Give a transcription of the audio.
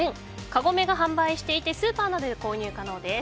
カゴメが販売していてスーパーなどで購入可能です。